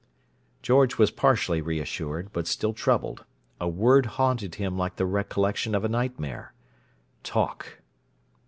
George was partially reassured, but still troubled: a word haunted him like the recollection of a nightmare. "Talk!"